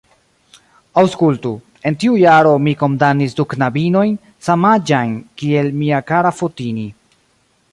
Aŭskultu: en tiu jaro, mi kondamnis du knabinojn, samaĝajn kiel mia kara Fotini.